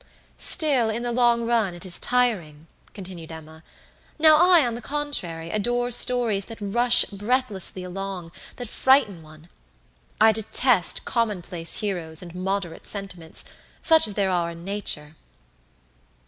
"Still in the long run it is tiring," continued Emma. "Now I, on the contrary, adore stories that rush breathlessly along, that frighten one. I detest commonplace heroes and moderate sentiments, such as there are in nature."